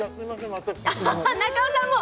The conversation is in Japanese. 私も中尾さんも！